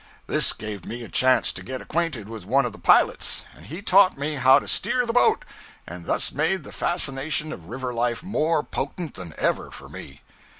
This gave me a chance to get acquainted with one of the pilots, and he taught me how to steer the boat, and thus made the fascination of river life more potent than ever for me.